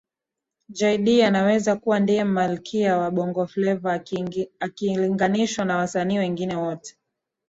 Jay Dee anaweza kuwa ndiye Malkia wa Bongo Fleva akilinganishwa na wasanii wengine wote